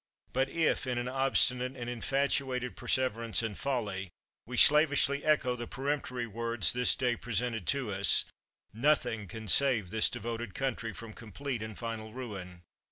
But if, in an obstinate and infatuated perseverance in folly, we sla vishly echo the peremptory words this day pre sented to us, nothing can save this devoted coun try from complete and final ruin.